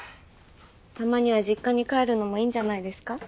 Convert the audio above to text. たまには実家に帰るのもいいんじゃないですか？